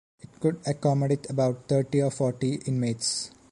It could accommodate about thirty or forty inmates.